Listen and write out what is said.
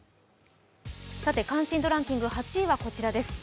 関心度ランキング８位はこちらです。